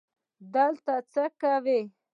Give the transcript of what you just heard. دلته څه کوې؟